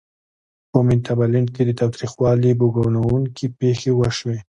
په میتابالنډ کې د تاوتریخوالي بوږنوونکې پېښې وشوې.